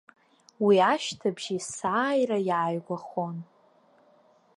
Уи ашьҭыбжь есааира иааигәахон.